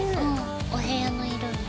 お部屋の色に。